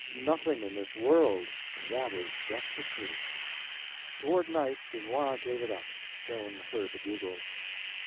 Nothing in this world—and that is just the truth. Toward night Dunois gave it up. Joan heard the bugles.